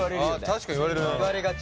確かに言われる。